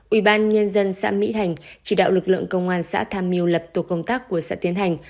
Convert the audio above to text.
ủy ban nhân dân xã mỹ thành chỉ đạo lực lượng công an xã tham miu lập tục công tác của xã tiến hành